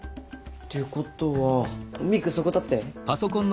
ってことはミクそこ立って。